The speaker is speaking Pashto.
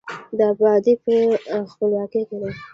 د آبادي په، خپلواکۍ کې ده.